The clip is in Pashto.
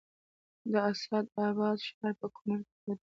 د اسداباد ښار په کونړ کې پروت دی